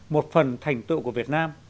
một phần thành tựu của việt nam